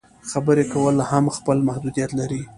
خبرې کول هم خپل محدودیت لري.